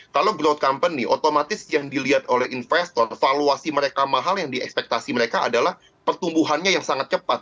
kalau growth company otomatis yang dilihat oleh investor valuasi mereka mahal yang diekspektasi mereka adalah pertumbuhannya yang sangat cepat